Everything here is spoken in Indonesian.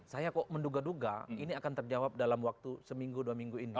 saya kok menduga duga ini akan terjawab dalam waktu seminggu dua minggu ini